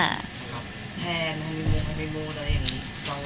แทนฮานิมูนอะไรอย่างนี้